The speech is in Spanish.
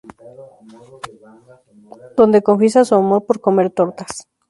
Donde confiesa su amor por comer tortas.